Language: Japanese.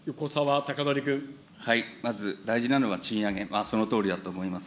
まず、大事なのは賃上げ、そのとおりだと思います。